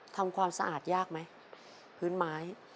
ทำความสะอาดยากไหมพื้นไม้